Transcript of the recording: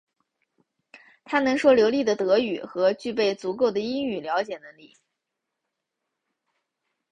他能说流利的德语和具备足够的英语了解能力。